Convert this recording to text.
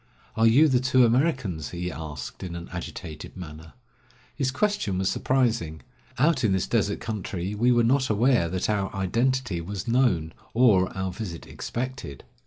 "Are you the two Americans?" he asked in an agitated manner. His question was surprising. Out in this desert country we were not aware that our identity was known, or our visit expected.